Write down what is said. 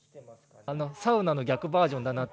サウナの逆バージョンだなっ